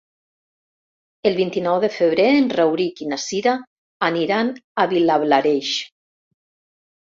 El vint-i-nou de febrer en Rauric i na Cira aniran a Vilablareix.